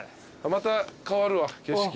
また変わるわ景色が。